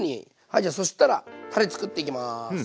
じゃあそしたらたれ作っていきます。